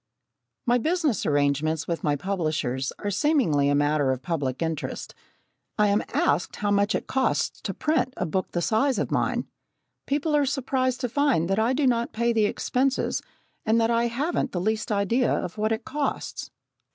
My business arrangements with my publishers are seemingly a matter of public interest. I am asked how much it costs to print a book the size of mine. People are surprised to find that I do not pay the expenses and that I haven't the least idea of what it costs.